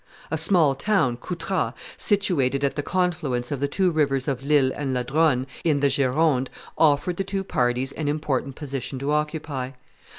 A small town, Coutras, situated at the confluence of the two rivers of L'Isle and La Dronne, in the Gironde, offered the two parties an important position to occupy.